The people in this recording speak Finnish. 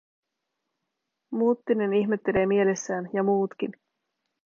Muttinen ihmettelee mielessään, ja muutkin.